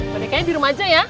bonekanya di rumah aja ya